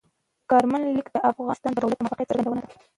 کارمل لیک د افغانستان د دولت د موقف څرګندونه ده.